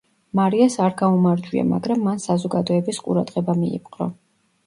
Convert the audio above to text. მარიას არ გაუმარჯვია, მაგრამ მან საზოგადოების ყურადღება მიიპყრო.